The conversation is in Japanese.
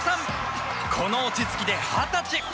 この落ち着きで二十歳。